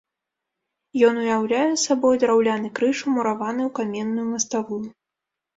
Ён уяўляе сабой драўляны крыж умураваны ў каменную маставую.